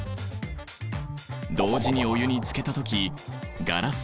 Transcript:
同時にお湯につけた時ガラス